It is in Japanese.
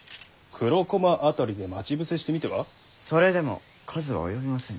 それでも数は及びませぬ。